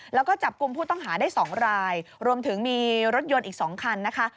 แล้วก็จับกลุ่มผู้ต้องหาได้๒รายรวมถึงมีรถยนต์อีก๒คันนะคะ